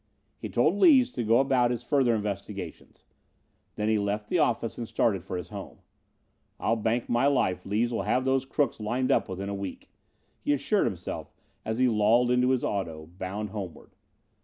He told Lees to go about his further investigations. Then he left the office and started for his home. "I'll bank my life Lees will have those crooks lined up within a week," he assured himself as he lolled in his auto, bound homeward.